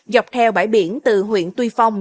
dọc theo bãi biển từ huyện tuy phong